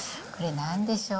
なんでしょう？